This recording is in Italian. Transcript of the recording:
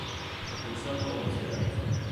Ho pensato a uno scherzo.